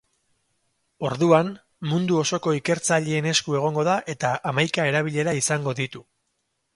Orduan, mundu osoko ikertzaileen esku egongo da eta hamaika erabilera izango ditu.